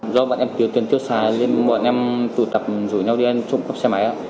do bọn em tiêu tiền tiêu xài nên bọn em tụ tập rủ nhau đi trộm cắp xe máy